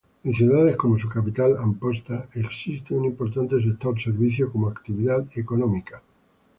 En ciudades como su capital, Amposta, existe un importante sector servicios como actividad económica.